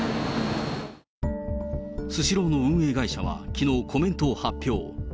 スシローの運営会社は、きのう、コメントを発表。